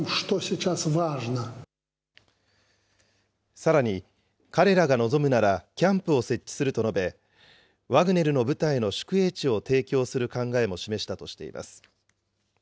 さらに、彼らが望むなら、キャンプを設置すると述べ、ワグネルの部隊の宿営地を提供する考えも示したとしています。